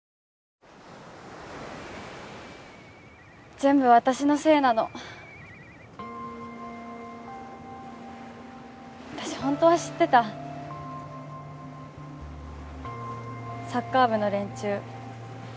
全部私のせいなの私ホントは知ってたサッカー部の連中